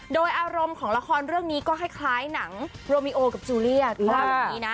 โดยอารมณ์ของละครเรื่องนี้ก็คล้ายหนังโรมิโอกับจูเลียเขาว่าแบบนี้นะ